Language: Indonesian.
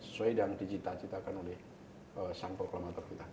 sesuai yang diciptakan oleh sang proklamator kita